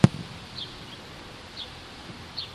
د انګرېزي ورځپاڼو رپوټونه دي.